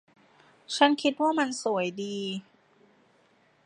ฉันคิดว่ามันสวยดี